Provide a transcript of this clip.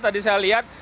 tadi saya lihat